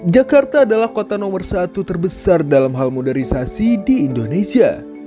jakarta adalah kota nomor satu terbesar dalam hal modernisasi di indonesia